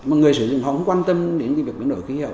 mà người sử dụng họ không quan tâm đến cái việc biến đổi khí hậu